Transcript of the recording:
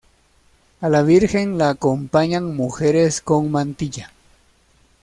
A la Virgen la acompañan mujeres con mantilla.